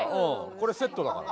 これセットだから。